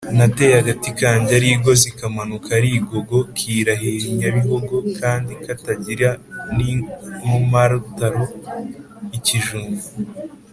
Nateye agati kanjye ari igozi kamanuka ari igogo kirahira inyabihogo kandi katagira n'inkomarutaro-Ikijumba.